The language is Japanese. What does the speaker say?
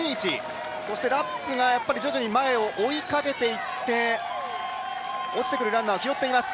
そして、ラップが徐々に前を追いかけていって落ちてくるランナーを拾っています。